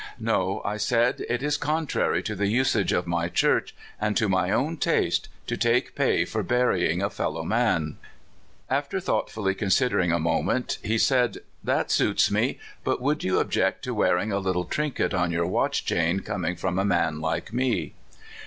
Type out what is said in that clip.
" No," I said ; "it is contrary to the usage of my Church and to my own taste to take pay for bury ing a fellow man." LONE MOUNTAIN. 91 After thoughtfully considering a moment, he said : "That suits me. But would you object to wear ing a little trinket on your watch chain, coming from a man like me